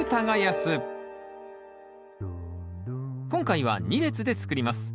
今回は２列で作ります。